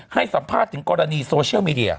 ให้สัมภาษณ์ถึงกรณีโซเชียลมีเดีย